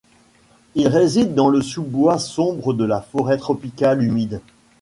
Il réside dans le sous-bois sombre de la forêt tropicale humide.